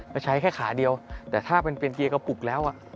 ไปใช้แค่ขาเดียวแต่ถ้าเป็นเกียร์กระปุกแล้ว